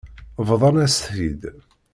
Bḍan-as-t-id.